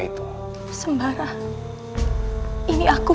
kau sudah menikah